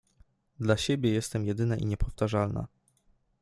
Dla siebie jestem jedyna i niepowtarzalna.